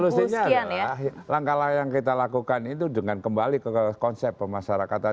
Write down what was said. solusinya adalah langkah langkah yang kita lakukan itu dengan kembali ke konsep pemasarakatan